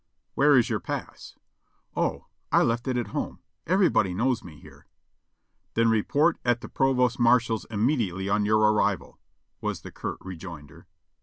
"Where is your pass?" "O, I left it at home ; everybody knows me here." "Then report at the provost marshal's immediately on your arrival," was the curt rejoinder.